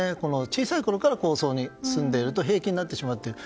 小さいころから高層に住んでいると平気になってしまうという。